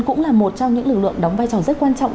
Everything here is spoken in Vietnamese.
cũng là một trong những lực lượng đóng vai trò rất quan trọng